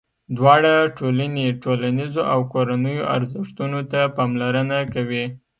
دواړه ټولنې ټولنیزو او کورنیو ارزښتونو ته پاملرنه کوي.